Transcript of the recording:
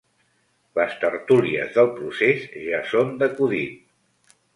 Les tertúlies del procés ja són d’acudit.